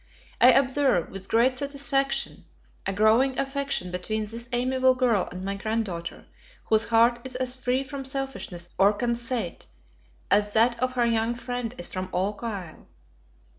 I observe, with great satisfaction, a growing affection between this amiable girl and my grand daughter, whose heart is as free from selfishness or conceit, as that of her young friend is from all guile.